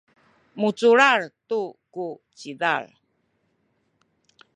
muculal tu ku cilal